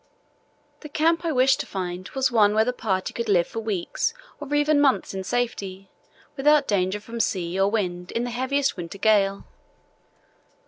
The camp I wished to find was one where the party could live for weeks or even months in safety, without danger from sea or wind in the heaviest winter gale.